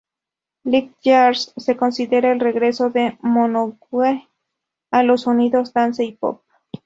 Light Years se considera el regreso de Minogue a los sonidos dance y pop.